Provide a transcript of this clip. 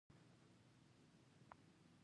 ورزشکار روغتیا ته بلنه ورکوي